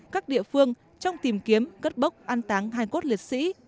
các địa phương trong tìm kiếm cất bốc an táng hai cốt liệt sĩ